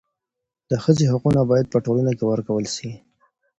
د ښځي حقونه باید په ټولنه کي ورکول سي.